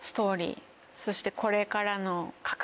そしてこれからの覚悟。